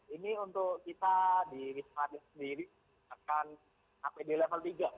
ini untuk kita di wisma atlet sendiri akan apd level tiga